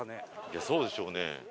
いやそうでしょうね。